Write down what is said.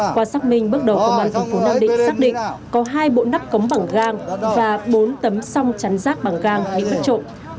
qua xác minh bước đầu công an tỉnh tham định xác định có hai bộ nắp cống bằng gang và bốn tấm song chấm rác bằng gang bị bất trộn